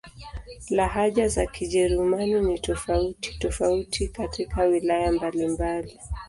Lahaja za Kijerumani ni tofauti-tofauti katika wilaya mbalimbali.